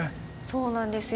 そうなんですよね。